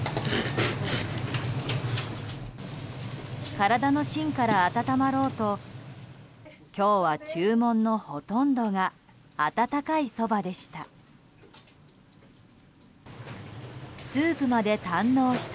体の芯から温まろうと今日は注文のほとんどが温かいそばでした。